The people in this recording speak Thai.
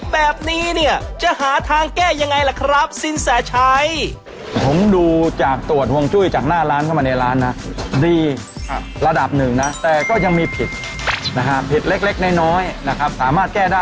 แบบนี้จะหาทางแก้ยังไงล่ะครับสินแสน